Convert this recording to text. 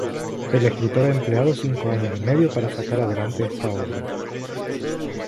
El escritor ha empleado cinco años y medio para sacar adelante esta obra.